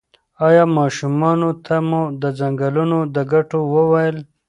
ایا ماشومانو ته مو د ځنګلونو د ګټو وویل؟